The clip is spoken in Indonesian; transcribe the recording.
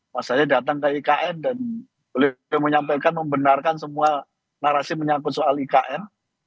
mas saya datang ke ikn dan beliau menyampaikan membenarkan semua narasi menyangkut soal ikn